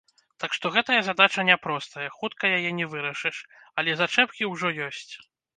Так што гэтая задача няпростая, хутка яе не вырашыш, але зачэпкі ўжо ёсць.